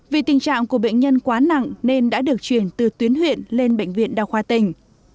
vì tình trạng của bệnh nhân quá nặng nên đã được chuyển từ tuyến huyện lên bệnh viện đa khoa tỉnh